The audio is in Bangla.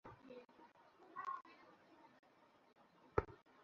তাঁরা বলেছেন, বাজেটের ঘাটতি পোষাতে ভবিষ্যৎ প্রজন্মের ঘাড়ে ঋণের বোঝা চাপানো হচ্ছে।